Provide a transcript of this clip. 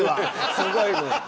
すごいね。